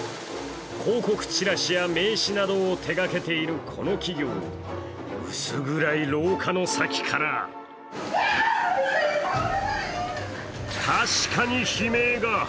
広告チラシや名刺などを手がけているこの企業薄暗い廊下の先から確かに悲鳴が。